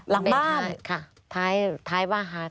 หลังบ้าน